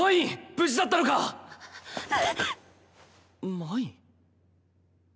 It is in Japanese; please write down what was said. マイン？